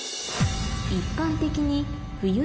一般的に